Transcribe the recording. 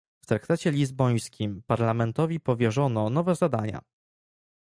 W traktacie lizbońskim Parlamentowi powierzono nowe zadania